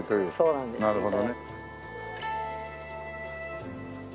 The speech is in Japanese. なるほどね。